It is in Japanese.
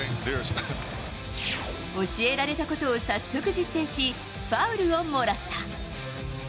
教えられたことを早速実践し、ファウルをもらった。